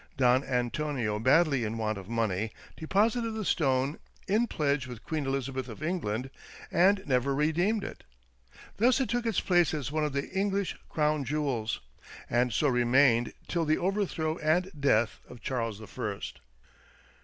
Don Antonio, badly in want of money, deposited the stone in pledge with Queen Elizabeth of England, and never redeemed it. Thus it took its place as one of the English Crown jewels, and so remained till the overthrow and death of Charles the First.